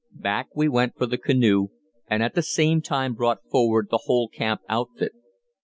Back we went for the canoe, and at the same time brought forward the whole camp outfit.